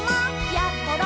「やころ」